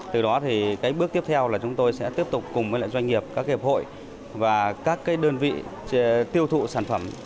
từ đó thì cái bước tiếp theo là chúng tôi sẽ tiếp tục cùng với doanh nghiệp các hiệp hội và các đơn vị tiêu thụ sản phẩm